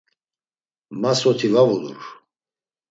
Ma soti va vulur.